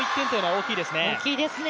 大きいですね。